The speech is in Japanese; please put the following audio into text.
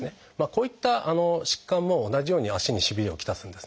こういった疾患も同じように足にしびれを来すんですね。